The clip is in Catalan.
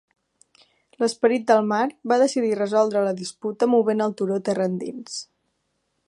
L'esperit del mar va decidir resoldre la disputa movent el turó terra endins.